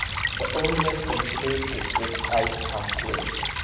The old man considered this with eyes half closed.